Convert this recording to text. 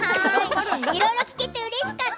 いろいろ聞けてうれしかった。